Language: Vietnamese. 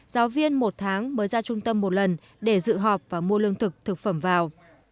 giáo viên một tháng mới ra trung tâm một lần để dự họp và mua lương thực thực phẩm vào